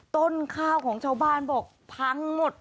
ต้นข้าวของชาวบ้านบอกพังหมด